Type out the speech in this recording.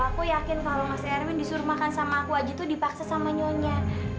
aku yakin kalau mas erwin disuruh makan sama aku aja tuh dipaksa sama nyonya